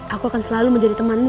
aku akan selalu menjadi temanmu